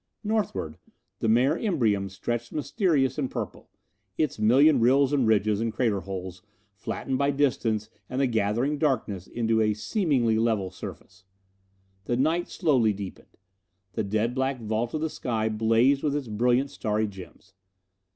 Northward, the Mare Imbrium stretched mysterious and purple, its million rills and ridges and crater holes flattened by distance and the gathering darkness into a seeming level surface. The night slowly deepened. The dead black vault of the sky blazed with its brilliant starry gems.